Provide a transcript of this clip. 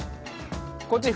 こっち